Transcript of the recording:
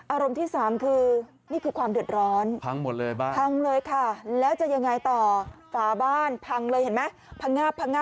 อารมณ์ที่สามคือนี่คือความเดือดร้อน